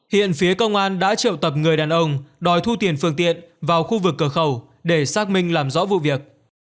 hiện phía công an đã triệu tập người đàn ông đòi thu tiền phương tiện vào khu vực cửa khẩu để xác minh làm rõ vụ việc